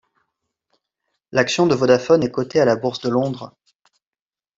L’action de Vodafone est cotée à la bourse de Londres.